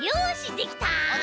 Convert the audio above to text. できた？